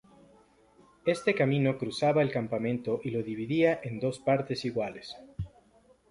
Este camino cruzaba el campamento y lo dividía en dos partes iguales.